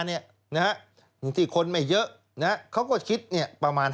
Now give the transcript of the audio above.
อย่างที่คนไม่เยอะเขาก็คิดประมาณ๕๐๐๐๐๘๐๐๐๐